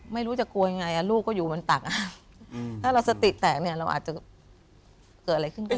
ไม่รู้จะกลัวยังไงลูกก็อยู่บนตักถ้าเราสติแตกเนี่ยเราอาจจะเกิดอะไรขึ้นก็ได้